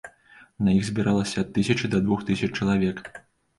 На іх збіралася ад тысячы да двух тысяч чалавек.